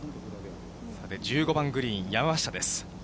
１５番グリーン、山下です。